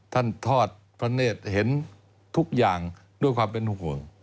ทอดพระเนธเห็นทุกอย่างด้วยความเป็นห่วง